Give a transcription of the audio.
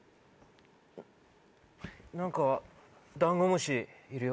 何かダンゴムシいるよ。